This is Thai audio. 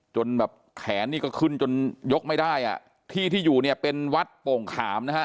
จนแบบแขนนี่ก็ขึ้นจนยกไม่ได้อ่ะที่ที่อยู่เนี่ยเป็นวัดโป่งขามนะฮะ